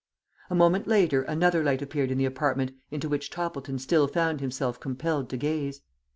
A moment later another light appeared in the apartment into which Toppleton still found himself compelled to gaze.